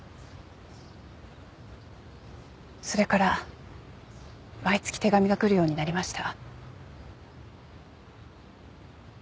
それから毎月手紙が来るようになりました。